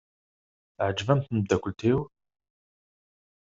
Teɛjeb-am tmeddakelt-iw?